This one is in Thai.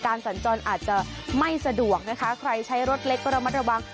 สัญจรอาจจะไม่สะดวกนะคะใครใช้รถเล็กก็ระมัดระวัง